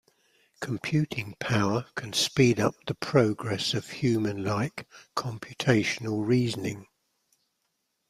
Computing power can speed up the progress of human-like computational reasoning.